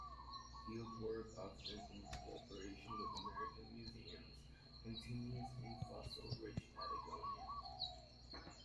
Field work, often in cooperation with American museums, continues in fossil-rich Patagonia.